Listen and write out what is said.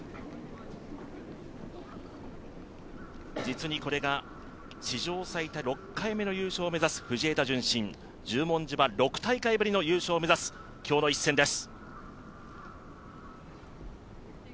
実にこれが史上最多６回目の優勝を目指す藤枝順心、十文字は６大会ぶりの優勝を目指す今日の一戦です。